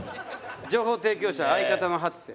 情報提供者相方の初瀬。